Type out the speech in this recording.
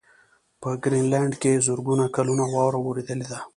په ګرینلنډ کې زرګونه کلونه واوره ورېدلې ده.